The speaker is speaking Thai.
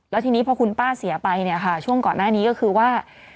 แล้วทีนี้พอคุณป้าเสียไปเนี่ยค่ะช่วงก่อนหน้านี้ก็คือว่า